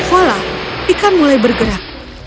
walau ikan mulai bergerak